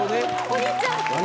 お兄ちゃん！